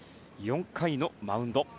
４回のマウンド。